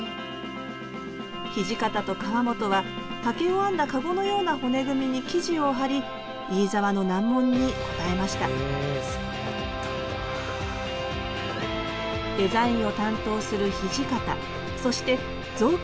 土方と川本は竹を編んだ籠のような骨組みに生地を張り飯沢の難問に応えましたデザインを担当する土方そして造形を監督する川本。